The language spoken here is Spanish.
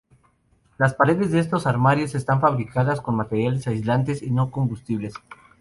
Las paredes de estos armarios están fabricadas con materiales aislantes y no combustibles.